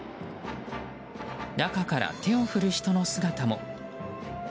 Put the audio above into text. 中から手を振る人の姿も。